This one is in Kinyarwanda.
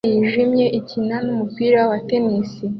Imbwa yijimye ikina numupira wa tennis